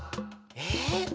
えっ？